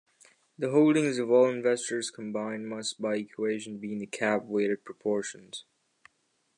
The holdings of all investors combined must, by equation, be in the cap-weighted proportions.